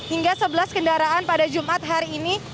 hingga sebelas kendaraan pada jumat hari ini